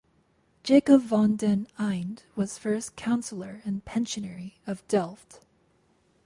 Jacob van den Eynde was first Councilor and Pensionary of Delft.